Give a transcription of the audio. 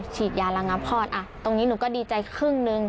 ฉีดยาระงับคลอดตรงนี้หนูก็ดีใจครึ่งหนึ่ง